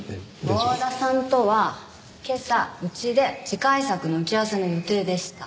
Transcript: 郷田さんとは今朝うちで次回作の打ち合わせの予定でした。